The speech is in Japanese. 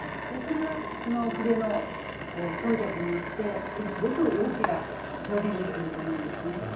でそれはその筆の強弱によってすごく動きが表現できてると思うんですね。